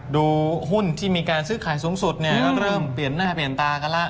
ดูหุ้นที่มีการซื้อขายสูงสุดเนี่ยเริ่มเปลี่ยนหน้าเปลี่ยนตากันแล้ว